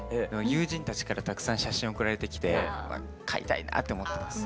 友人たちからたくさん写真送られてきて飼いたいなって思ってます。